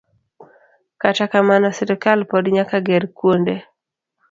Kata kamano, sirkal pod nyaka ger kuonde